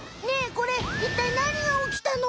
これいったいなにがおきたの？